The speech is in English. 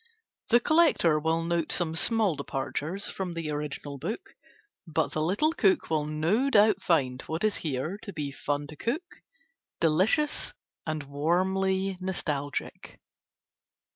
The collector will note some small departures from the original book, but the little cook will no doubt find what is here to be fun to cook, delicious, and warmly nostalgic.